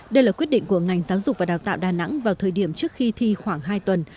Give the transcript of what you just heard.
đây là quyết định của ngành giáo dục và đào tạo đà nẵng vào thời điểm trước khi thi khoảng hai tuần